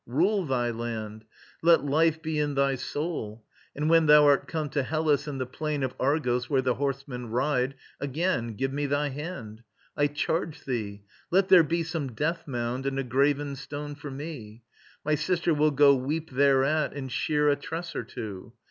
Rule thy land! Let life be in thy soul! And when thou art come to Hellas, and the plain Of Argos where the horsemen ride, again Give me thy hand! I charge thee, let there be Some death mound and a graven stone for me. My sister will go weep thereat, and shear A tress or two.